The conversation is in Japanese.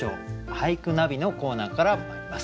「俳句ナビ」のコーナーからまいります。